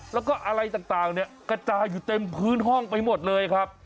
แล้วก็อะไรต่างเนี่ยกระจายอยู่เต็มพื้นห้องไปหมดเลยครับ